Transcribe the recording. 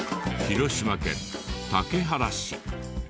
広島県竹原市。